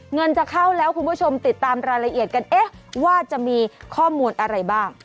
เงินจะเข้าแล้วคุณผู้ชมติดตามรายละเอียดกันเอ๊ะว่าจะมีข้อมูลอะไรบ้าง